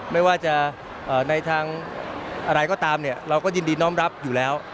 ไม่ว่าจะในทางอะไรก็ตามเราก็ยินดีน้องรับอยู่แล้ว